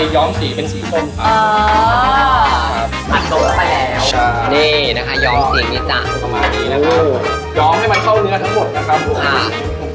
ย้อมให้มันเข้าเนื้อทั้งหมดนะครับ